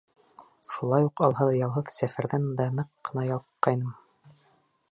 Шулай уҡ алһыҙ-ялһыҙ сәфәрҙән дә ныҡ ҡына ялыҡҡайным.